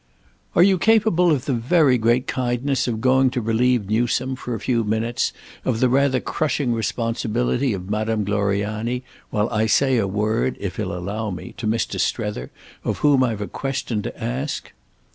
"Are you capable of the very great kindness of going to relieve Newsome, for a few minutes, of the rather crushing responsibility of Madame Gloriani, while I say a word, if he'll allow me, to Mr. Strether, of whom I've a question to ask?